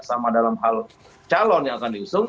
sama dalam hal calon yang akan diusung